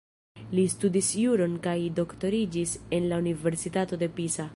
Li studis juron kaj doktoriĝis en la Universitato de Pisa.